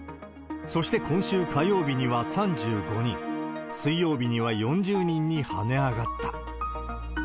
そして今週火曜日には３５人、水曜日には４０人に跳ね上がった。